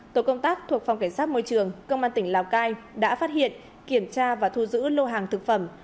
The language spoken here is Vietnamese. tổ công tác thuộc phòng cảnh sát môi trường công an tỉnh lào cai đã phát hiện kiểm tra và thu giữ lô hàng thực phẩm